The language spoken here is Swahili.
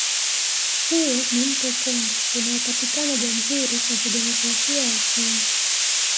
Huo ni mto Congo unaopatikana Jamhuri ya Kidemokrasia ya Congo